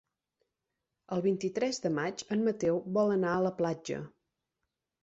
El vint-i-tres de maig en Mateu vol anar a la platja.